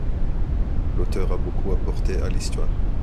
L'auteur a beaucoup apporté à l'histoire.